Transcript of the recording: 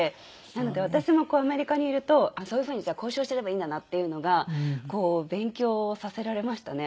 なので私もアメリカにいるとそういう風にじゃあ交渉すればいいんだなっていうのが勉強させられましたね